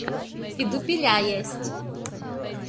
И дупеля есть.